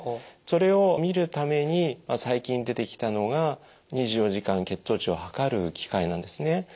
それを見るために最近出てきたのが２４時間血糖値を測る機械なんですね。